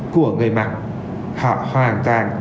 của người mặt họ hoàn toàn